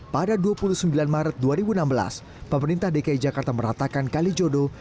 pada dua puluh sembilan maret dua ribu enam belas pemerintah dki jakarta meratakan kalijodo